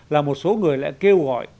là một số người lại kêu gọi